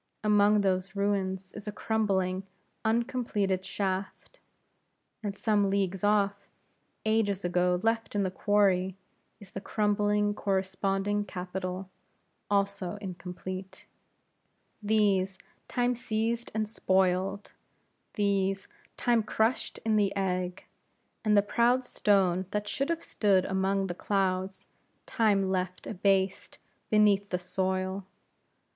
Among those ruins is a crumbling, uncompleted shaft, and some leagues off, ages ago left in the quarry, is the crumbling corresponding capital, also incomplete. These Time seized and spoiled; these Time crushed in the egg; and the proud stone that should have stood among the clouds, Time left abased beneath the soil.